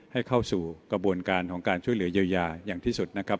เข้าสู่กระบวนการของการช่วยเหลือเยียวยาอย่างที่สุดนะครับ